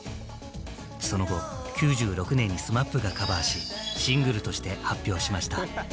その後９６年にＳＭＡＰがカバーしシングルとして発表しました。